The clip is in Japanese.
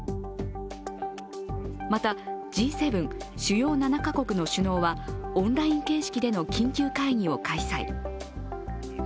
またＧ７＝主要７か国の首脳はオンライン形式での緊急会議を開催。